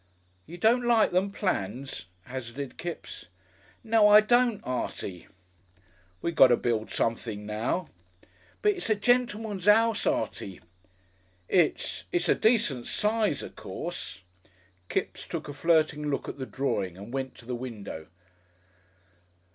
"You don't like them plans?" hazarded Kipps. "No, I don't, Artie." "We got to build somethin' now." "But it's a gentleman's 'ouse, Artie!" "It's it's a decent size, o' course." Kipps took a flirting look at the drawing and went to the window.